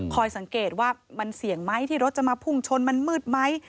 สังเกตว่ามันเสี่ยงไหมที่รถจะมาพุ่งชนมันมืดไหม